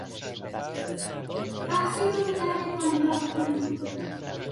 بحثی را به تعویق انداختن